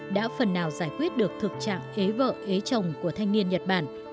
đã phần nào giải quyết được thực trạng ế vợ ế chồng của thanh niên nhật bản